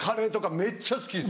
めっちゃ好きです。